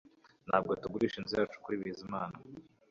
Ntabwo tugurisha inzu yacu kuri Bizimana